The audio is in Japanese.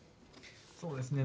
そうですね。